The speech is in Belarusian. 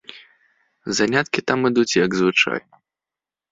Заняткі там ідуць як звычайна.